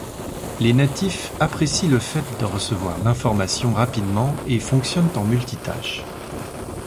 Les natifs apprécient le fait de recevoir l’information rapidement et fonctionnent en multitâche.